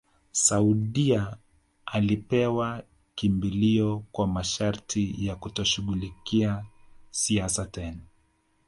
Saudia alipewa kimbilio kwa masharti ya kutoshughulikia siasa tena